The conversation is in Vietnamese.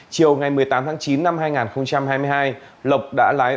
chiều ngày một mươi tám tháng chín năm hai nghìn hai mươi hai lộc đã lái